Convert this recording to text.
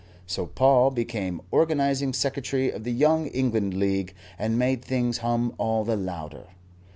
So Paul became Organizing Secretary of the Young England League, and made things hum all the louder.